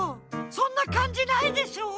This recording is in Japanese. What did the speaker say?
そんなかんじないでしょ！